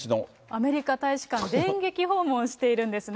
アメリカ大使館、電撃訪問してるんですね。